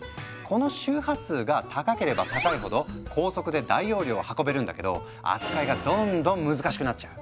この周波数が高ければ高いほど高速で大容量を運べるんだけど扱いがどんどん難しくなっちゃう。